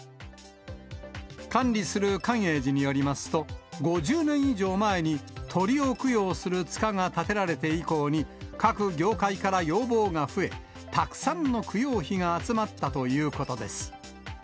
管理する寛永寺によりますと、５０年以上前に鳥を供養する塚が建てられて以降に、各業界から要望が増え、たくさんの供養碑が集まったということです。